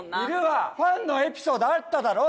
ファンのエピソードあっただろ！